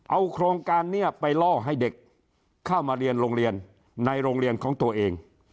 เอาโครงการนี้ไปล่อให้เด็กเข้ามาเรียนโรงเรียนในโรงเรียนของตัวเอง